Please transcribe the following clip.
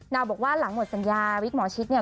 บอกว่าหลังหมดสัญญาวิกหมอชิดเนี่ย